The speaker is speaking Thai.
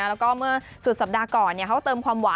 แล้วก็เมื่อสุดสัปดาห์ก่อนเขาเติมความหวาน